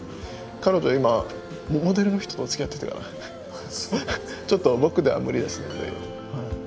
彼女今モデルの人とつきあってるからちょっと僕では無理ですね。